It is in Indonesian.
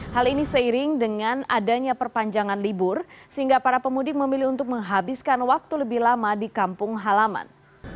hal ini seiring dengan adanya perpanjangan libur sehingga para pemudik memilih untuk menghabiskan waktu lebih lama di kampung halaman